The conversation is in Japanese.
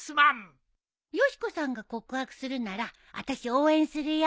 よし子さんが告白するならあたし応援するよ。